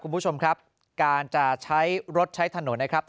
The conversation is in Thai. คุณผู้ชมครับการจะใช้รถใช้ถนนนะครับ